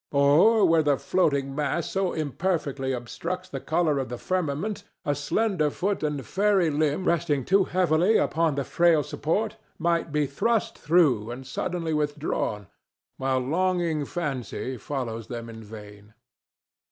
Or where the floating mass so imperfectly obstructs the color of the firmament a slender foot and fairy limb resting too heavily upon the frail support may be thrust through and suddenly withdrawn, while longing fancy follows them in vain.